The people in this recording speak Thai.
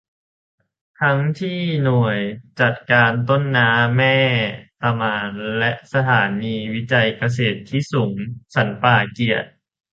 ทั้งที่หน่วยจัดการต้นน้ำแม่ตะมาน และสถานีวิจัยเกษตรที่สูงสันป่าเกี๊ยะ